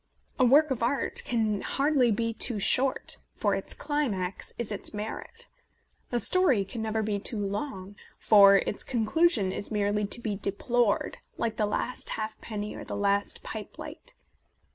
A work of art can hardly be too short, for its climax is its merit. A story can never be too long, for its conclusion is merely to be deplored, like the last halfpenny or the last pipelight.